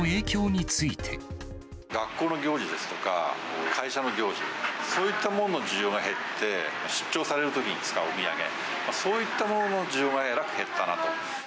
につ学校の行事ですとか、会社の行事、そういったものの需要が減って、出張されるときに使うお土産、そういったものの需要がえらく減ったなと。